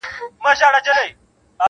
زخمي مي کوچۍ پېغلي دي د تېښتي له مزلونو-